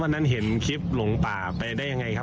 นั้นเห็นคลิปหลงป่าไปได้ยังไงครับ